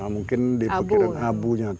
mungkin diperkirakan abunya